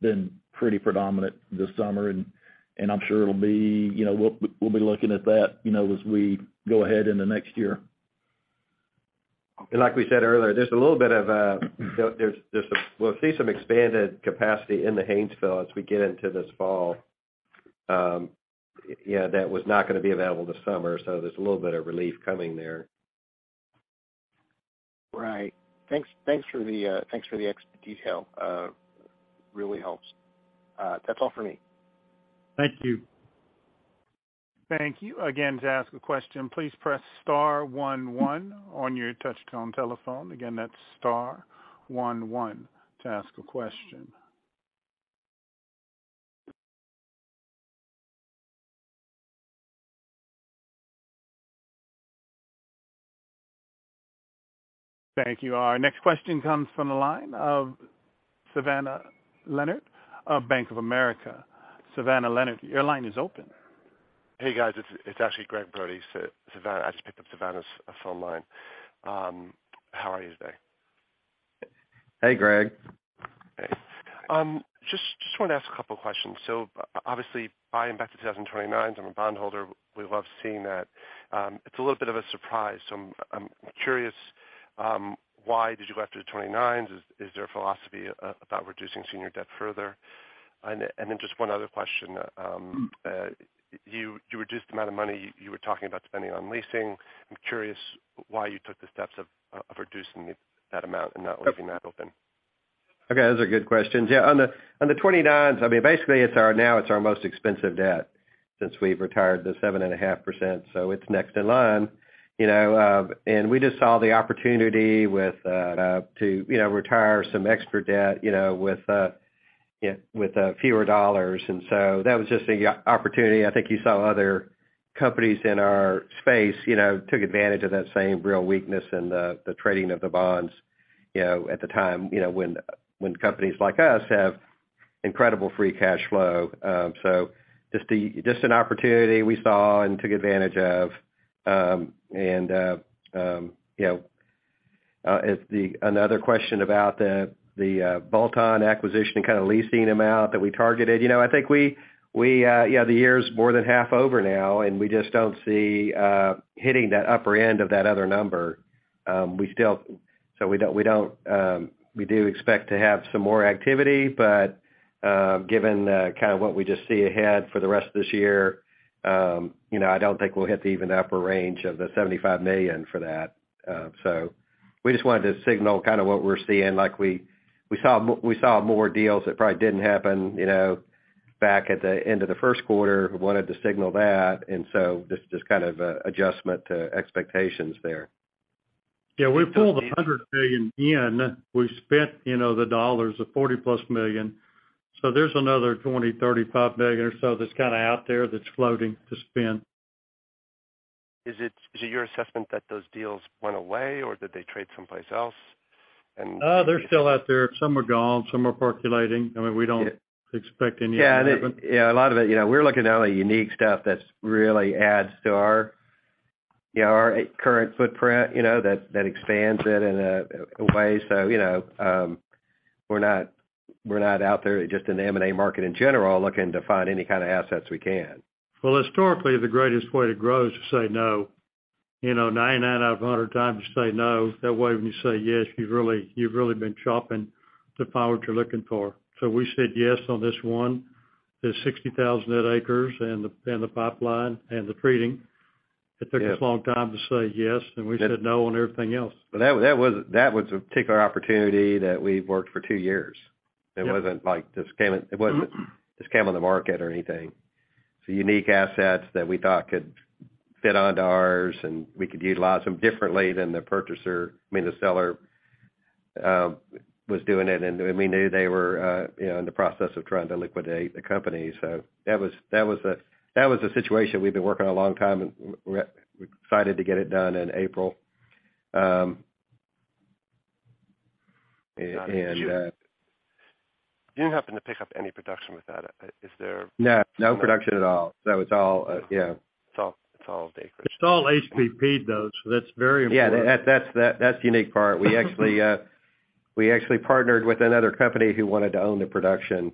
S4: been pretty predominant this summer. I'm sure it'll be you know, we'll be looking at that, you know, as we go ahead in the next year.
S3: Like we said earlier, we'll see some expanded capacity in the Haynesville as we get into this fall, you know, that was not gonna be available this summer, so there's a little bit of relief coming there.
S11: Right. Thanks for the extra detail. Really helps. That's all for me. Thank you.
S1: Thank you. Again, to ask a question, please press star one one on your touch-tone telephone. Again, that's star one one to ask a question. Thank you. Our next question comes from the line of Savannah Leonard of Bank of America. Savannah Leonard, your line is open.
S12: Hey, guys. It's actually Gregg Brody. I just picked up Savannah's phone line. How are you today?
S3: Hey, Gregg.
S12: Hey. Just wanna ask a couple questions. Obviously, buying back the 7s and 2029s, I'm a bondholder. We love seeing that. It's a little bit of a surprise, so I'm curious why did you go after the 2029s. Is there a philosophy about reducing senior debt further. Then just one other question. You reduced the amount of money you were talking about spending on leasing. I'm curious why you took the steps of reducing it, that amount and not leaving that open.
S3: Okay, those are good questions. Yeah, on the 2029s, I mean, basically, it's our most expensive debt now since we've retired the 7.5%, so it's next in line. You know, and we just saw the opportunity to retire some extra debt, you know, with fewer dollars. That was just the opportunity. I think you saw other companies in our space, you know, took advantage of that same real weakness in the trading of the bonds, you know, at the time, you know, when companies like us have incredible free cash flow. Just an opportunity we saw and took advantage of. And you know if the. Another question about the bolt-on acquisition and kind of leasing amount that we targeted. You know, I think yeah, the year's more than half over now, and we just don't see hitting that upper end of that other number. We don't. We do expect to have some more activity, but given kinda what we just see ahead for the rest of this year, you know, I don't think we'll hit the even upper range of the $75 million for that. We just wanted to signal kinda what we're seeing. Like, we saw more deals that probably didn't happen, you know, back at the end of the first quarter. Wanted to signal that, just kind of adjustment to expectations there.
S2: Yeah, we pulled the $100 million in. We spent, you know, the dollars, the $40+ million. There's another $20 million-$35 million or so that's kinda out there that's floating to spend.
S12: Is it your assessment that those deals went away, or did they trade someplace else?
S2: They're still out there. Some are gone, some are percolating. I mean, we don't expect any of them.
S3: Yeah, a lot of it, you know, we're looking at only unique stuff that really adds to our, you know, our current footprint, you know, that expands it in a way. You know, we're not out there just in the M&A market in general looking to find any kinda assets we can.
S2: Well, historically, the greatest way to grow is to say no. You know, 99 out of 100 times you say no, that way when you say yes, you've really been chopping to find what you're looking for. We said yes on this one. There's 60,000 net acres in the pipeline and the treating.
S3: Yeah.
S2: It took us a long time to say yes.
S3: Yeah.
S2: we said no on everything else.
S3: That was a particular opportunity that we worked for two years.
S2: Yeah.
S3: It wasn't like this came.
S2: Mm-hmm.
S3: just came on the market or anything. It's a unique assets that we thought could fit onto ours, and we could utilize them differently than the purchaser, I mean, the seller, was doing it. We knew they were, you know, in the process of trying to liquidate the company. That was a situation we've been working on a long time, and we're excited to get it done in April.
S12: You didn't happen to pick up any production with that, is there?
S3: No, no production at all. It's all, yeah.
S12: It's all.
S2: It's all HBP'd though, so that's very important.
S3: Yeah, that's the unique part. We actually partnered with another company who wanted to own the production.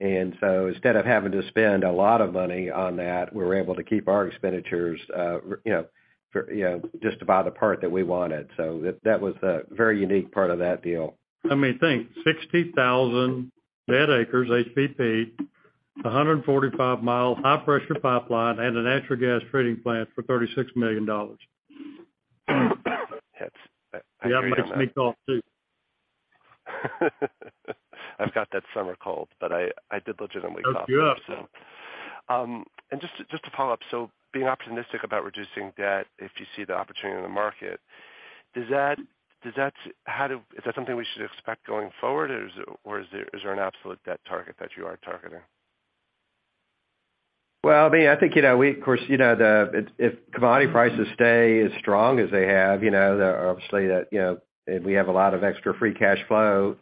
S3: Instead of having to spend a lot of money on that, we were able to keep our expenditures, you know, for, you know, just to buy the part that we wanted. That was a very unique part of that deal.
S2: I mean, think, 60,000 net acres, HBP, 145-mile high-pressure pipeline, and a natural gas treating plant for $36 million.
S12: Yeah.
S2: Yeah, it makes me cough too.
S12: I've got that summer cold, but I did legitimately cough.
S2: That's rough.
S12: Just to follow up, so being optimistic about reducing debt, if you see the opportunity in the market, does that is that something we should expect going forward, or is there an absolute debt target that you are targeting?
S3: I mean, I think, you know, of course, you know, if commodity prices stay as strong as they have, you know, there are obviously that, you know, if we have a lot of extra free cash flow,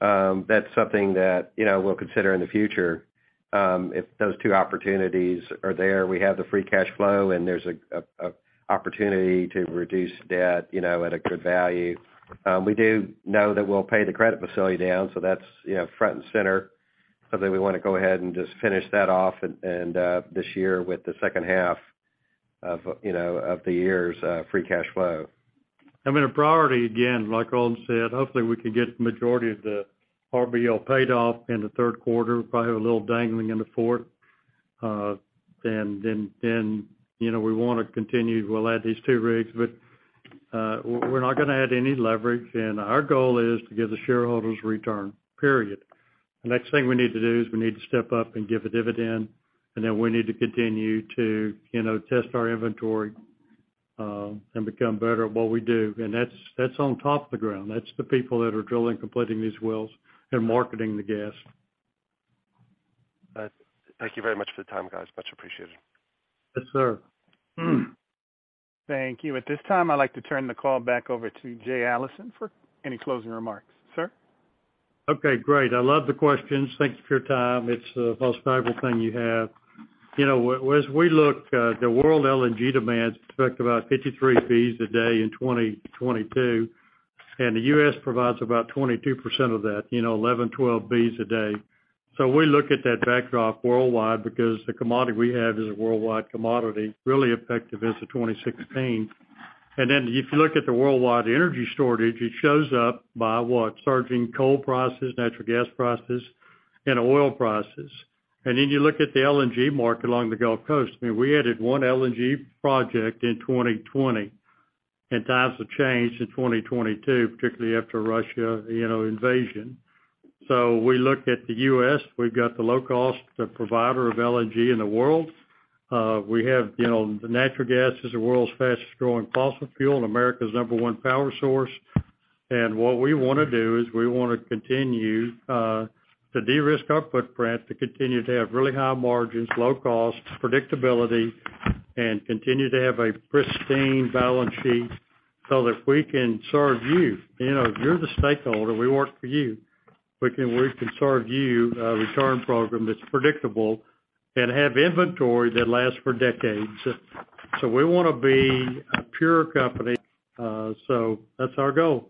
S3: that's something that, you know, we'll consider in the future. If those two opportunities are there, we have the free cash flow, and there's a opportunity to reduce debt, you know, at a good value. We do know that we'll pay the credit facility down, so that's, you know, front and center. Something we wanna go ahead and just finish that off and this year with the second half of, you know, of the year's free cash flow.
S2: I mean, a priority, again, like Roland said, hopefully, we can get the majority of the RBL paid off in the third quarter, probably have a little dangling in the fourth. Then, you know, we wanna continue. We'll add these two rigs, but we're not gonna add any leverage. Our goal is to give the shareholders return, period. The next thing we need to do is we need to step up and give a dividend, and then we need to continue to, you know, test our inventory, and become better at what we do. That's on top of the ground. That's the people that are drilling, completing these wells, and marketing the gas.
S12: All right. Thank you very much for the time, guys. Much appreciated.
S2: Yes, sir.
S1: Thank you. At this time, I'd like to turn the call back over to Jay Allison for any closing remarks. Sir?
S2: Okay, great. I love the questions. Thanks for your time. It's the most valuable thing you have. You know, as we look, the world LNG demand expects about 53 Bcf a day in 2022, and the U.S. provides about 22% of that, you know, 11, 12 Bcf a day. We look at that backdrop worldwide because the commodity we have is a worldwide commodity, really effective as of 2016. If you look at the worldwide energy shortage, it shows up by what? Surging coal prices, natural gas prices, and oil prices. You look at the LNG market along the Gulf Coast. I mean, we added one LNG project in 2020, and times have changed in 2022, particularly after Russia, you know, invasion. We look at the U.S., we've got the low-cost provider of LNG in the world. We have, you know, the natural gas is the world's fastest growing fossil fuel and America's number one power source. What we wanna do is we wanna continue to de-risk our footprint, to continue to have really high margins, low costs, predictability, and continue to have a pristine balance sheet so that we can serve you. You know, you're the stakeholder, we work for you. We can serve you a return program that's predictable and have inventory that lasts for decades. We wanna be a pure company, that's our goal.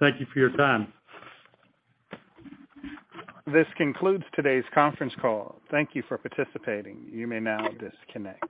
S2: Thank you for your time.
S1: This concludes today's conference call. Thank you for participating. You may now disconnect.